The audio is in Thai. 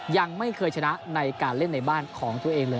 ยังไม่เคยชนะในการเล่นในบ้านของตัวเองเลย